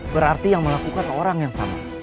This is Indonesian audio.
berarti yang melakukan orang yang sama